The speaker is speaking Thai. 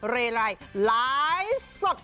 เรร่ายหลายสุด